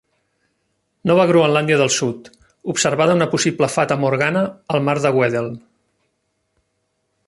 Nova Groenlàndia del sud, observada una possible fata morgana al mar de Weddell.